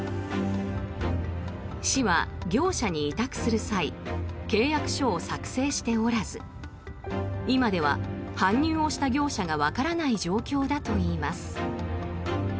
市は業者に委託する際契約書を作成しておらず今では搬入をした業者がわからない状況だといいます。